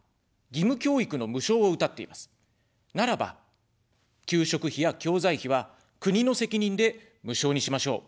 ならば、給食費や教材費は国の責任で無償にしましょう。